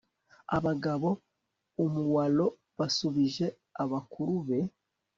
abagabo umuaro basubije abakuru be